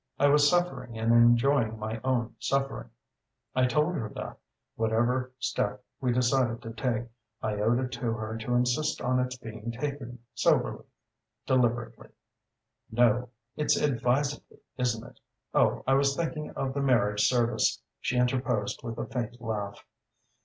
I was suffering and enjoying my own suffering. I told her that, whatever step we decided to take, I owed it to her to insist on its being taken soberly, deliberately "['No: it's "advisedly," isn't it? Oh, I was thinking of the Marriage Service,' she interposed with a faint laugh.)